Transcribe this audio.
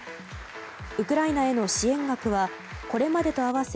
ウクライナへの支援額はこれまでと合わせ